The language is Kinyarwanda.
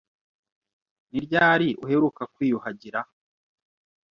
Ni ryari uheruka kwiyuhagira?